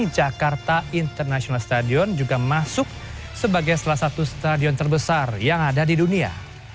jakarta international stadion juga masuk sebagai salah satu stadion terbesar yang ada di dunia